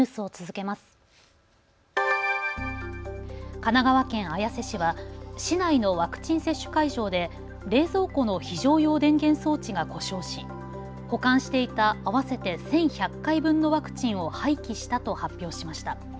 神奈川県綾瀬市は市内のワクチン接種会場で冷蔵庫の非常用電源装置が故障し保管していた合わせて１１００回分のワクチンを廃棄したと発表しました。